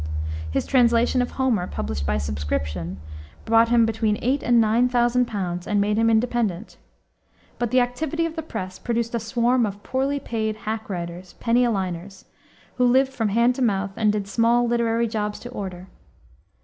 His translation of Homer, published by subscription, brought him between eight and nine thousand pounds and made him independent. But the activity of the press produced a swarm of poorly paid hack writers, penny a liners, who lived from hand to mouth and did small literary jobs to order.